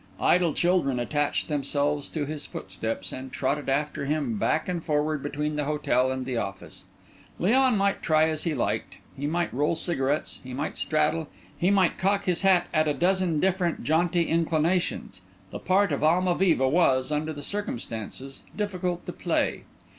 Idle children attached themselves to his footsteps, and trotted after him back and forward between the hotel and the office. Léon might try as he liked; he might roll cigarettes, he might straddle, he might cock his hat at a dozen different jaunty inclinations—the part of Almaviva was, under the circumstances, difficult to play.